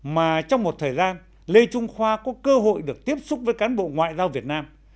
mà trong một thời gian lê trung khoa có cơ hội được tiếp xúc với cán bộ ngoại giao việt nam